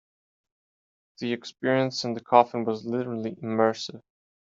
The experience in the coffin was literally immersive.